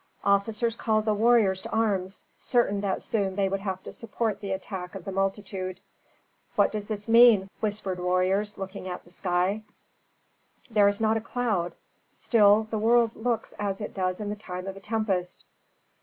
Officers called the warriors to arms, certain that soon they would have to support the attack of the multitude. "What does this mean?" whispered warriors, looking at the sky. "There is not a cloud, still the world looks as it does in the time of a tempest."